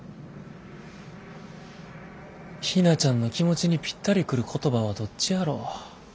陽菜ちゃんの気持ちにぴったり来る言葉はどっちやろ？